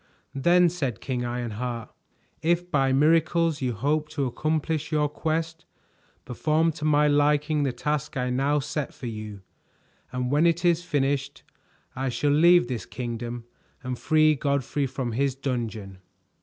"Then," said King Ironheart, "if by miracles you hope to accomplish your quest, perform to my liking the task I now set for you, and when it is finished I shall leave this kingdom and free Godfrey from his dungeon."